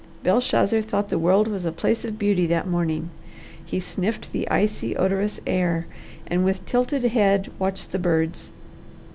Belshazzar thought the world was a place of beauty that morning. He sniffed the icy, odorous air and with tilted head watched the birds.